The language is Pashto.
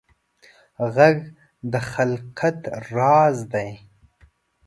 غږ د خلقت راز دی